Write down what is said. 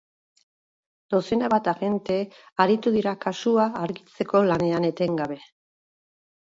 Dozena bat agente aritu dira kasua argitzeko lanean etengabe.